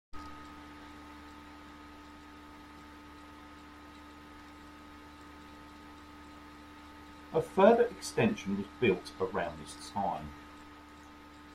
A further extension was built around this time.